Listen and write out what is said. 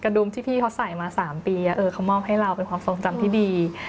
ดูมที่พี่เขาใส่มา๓ปีเขามอบให้เราเป็นความทรงจำที่ดี